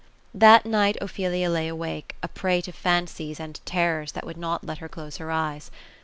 That night, Ophelia lay awake, a prey to fancies and terrors that would not let her close her eyes.